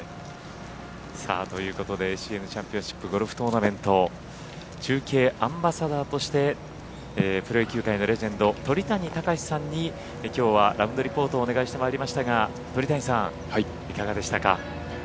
ＡＣＮチャンピオンシップゴルフトーナメント中継アンバサダーとしてプロ野球界のレジェンド鳥谷敬さんにきょうはラウンドリポートをお願いしてまいりましたが鳥谷さんいかがでしたか？